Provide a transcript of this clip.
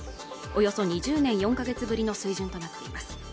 およそ２０年４か月ぶりの水準となっています